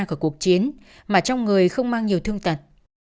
của cuộc chiến mà trong người không mang nhiều thương tật